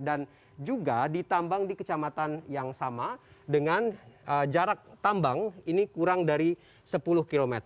dan juga ditambang di kecamatan yang sama dengan jarak tambang ini kurang dari sepuluh km